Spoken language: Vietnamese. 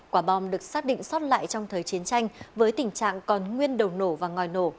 quả bom được xác định xót lại trong thời chiến tranh